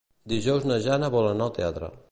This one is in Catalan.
Dijous na Jana vol anar al teatre.